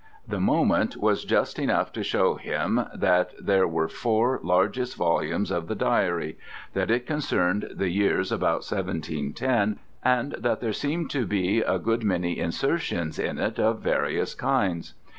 The moment was just enough to show him that there were four largish volumes of the diary that it concerned the years about 1710, and that there seemed to be a good many insertions in it of various kinds.